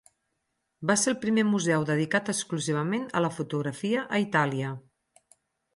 Va ser el primer museu dedicat exclusivament a la fotografia a Itàlia.